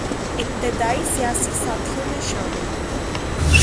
ابتدائی سیاسی ساتھیوں میں شامل